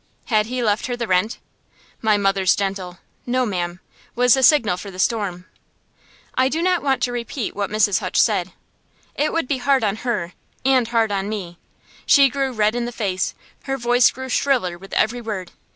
Had he left her the rent? My mother's gentle "No, ma'am" was the signal for the storm. I do not want to repeat what Mrs. Hutch said. It would be hard on her, and hard on me. She grew red in the face; her voice grew shriller with every word.